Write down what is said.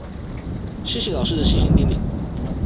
謝謝老師的細心叮嚀